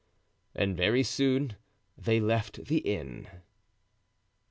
And very soon they left the inn.